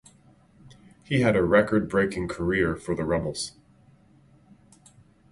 He had a record-breaking career for the Rebels.